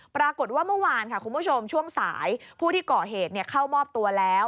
ปรากฏว่าเมื่อวานค่ะคุณผู้ชมช่วงสายผู้ที่ก่อเหตุเข้ามอบตัวแล้ว